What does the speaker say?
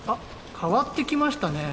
変わってきましたねぇ。